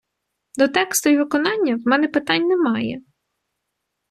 До тексту й виконання в мене питань немає.